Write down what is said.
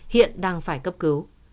hiện đang phải cấp cứu